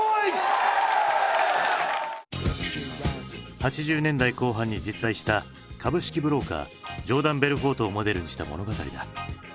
８０年代後半に実在した株式ブローカージョーダン・ベルフォートをモデルにした物語だ。